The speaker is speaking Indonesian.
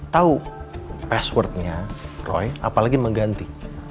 tahu passwordnya roy apalagi mengganti